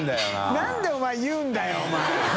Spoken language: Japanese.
覆鵑お前言うんだよお前。